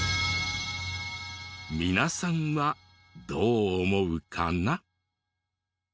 皆さんはどう思うかな？